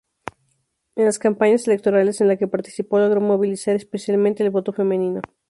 En las campañas electorales en las que participó logró movilizar especialmente el voto femenino.